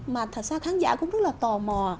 mà thật ra khán giả cũng rất là tò mò